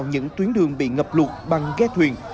đi vào những tuyến đường bị ngập lụt bằng ghe thuyền